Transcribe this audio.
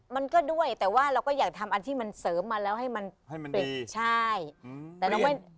มันก็ด้วยแต่ว่าเราก็อยากทำอันที่มันเสริมมาแล้วให้มันให้มันปิดใช่อืมแต่เราไม่